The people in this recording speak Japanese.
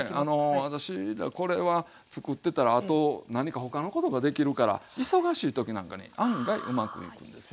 私これはつくってたらあと何か他のことができるから忙しい時なんかに案外うまくいくんですよ。